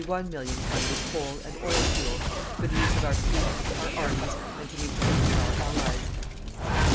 51 million tons of coal and oil fuel for the use of our Fleets, our Armies, and to meet the needs of our Allies.